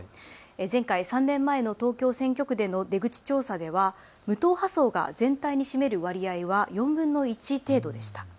前回、３年前の東京選挙区での出口調査では無党派層が全体に占める割合は４分の１程度でした。